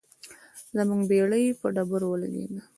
زموږ بیړۍ په ډبرو ولګیده.